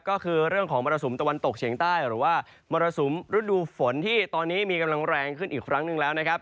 ก็คือเรื่องของมรสุมตะวันตกเฉียงใต้หรือว่ามรสุมฤดูฝนที่ตอนนี้มีกำลังแรงขึ้นอีกครั้งหนึ่งแล้วนะครับ